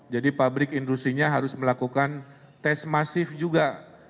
jadi pabrik industrinya harus melakukan tes masif juga